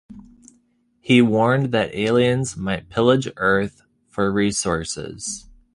He warned that aliens might pillage Earth for resources.